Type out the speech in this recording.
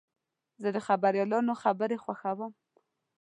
زه د خبریالانو خبرې خوښوم.